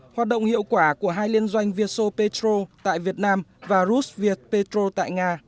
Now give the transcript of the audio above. hoạt động hiệu quả của hai liên doanh vietso petro tại việt nam và rus viet petro tại nga